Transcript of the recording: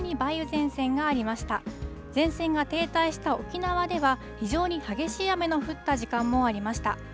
前線が停滞した沖縄では、非常に激しい雨の降った時間もありました。